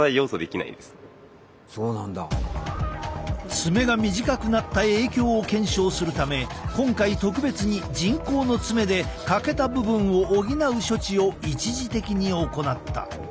爪が短くなった影響を検証するため今回特別に人工の爪で欠けた部分を補う処置を一時的に行った。